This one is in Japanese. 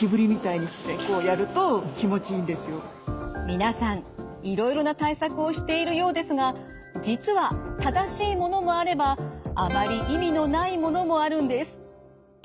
皆さんいろいろな対策をしているようですが実は正しいものもあればあまり意味のないものもあるんです。